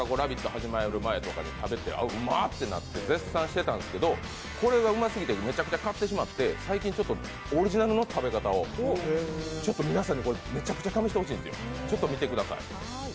始まる前とかに食べて、「うまっ」てなって絶賛してたんですけれどもこれがうますぎて、めちゃくちゃ買ってしまって、最近オリジナルの食べ方を、皆さんにめちゃくちゃ試してほしいんですよ、ちょっと見てみてください。